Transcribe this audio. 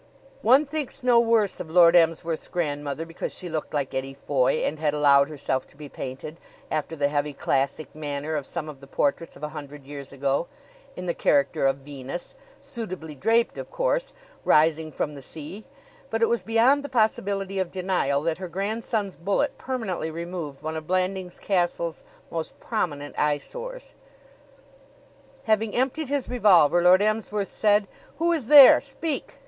One thinks no worse of Lord Emsworth's grandmother because she looked like Eddie Foy, and had allowed herself to be painted, after the heavy classic manner of some of the portraits of a hundred years ago, in the character of Venus suitably draped, of course, rising from the sea; but it was beyond the possibility of denial that her grandson's bullet permanently removed one of Blandings Castle's most prominent eyesores. Having emptied his revolver, Lord Emsworth said, "Who is there? Speak!"